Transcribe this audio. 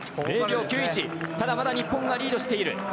ただまだ日本がリードしている。